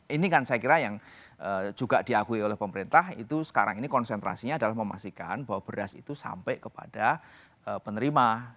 ini kan saya kira yang juga diakui oleh pemerintah itu sekarang ini konsentrasinya adalah memastikan bahwa beras itu sampai kepada penerima